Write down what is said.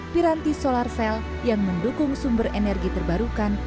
piranti solar cell yang mendukung sumber energi terbarukan